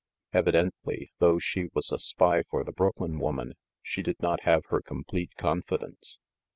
Evidently, though she was a spy for the Brooklyn woman, she did not have her complete confidence.